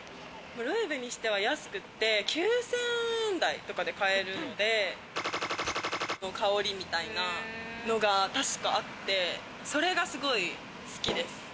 ロエベにしては安くて、９０００円台とかで買えるので。の香りみたいなのが確かあって、それがすごい好きです。